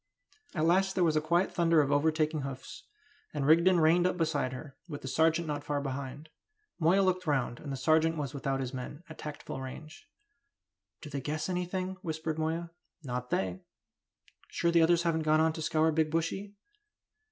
At last there was quite a thunder of overtaking hoofs, and Rigden reined up beside her, with the sergeant not far behind. Moya looked round, and the sergeant was without his men, at tactful range. "Do they guess anything?" whispered Moya. "Not they!" "Sure the others haven't gone on to scour Big Bushy?"